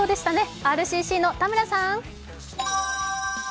ＲＣＣの田村さーん。